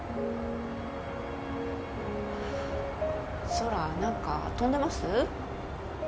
・空何か飛んでます？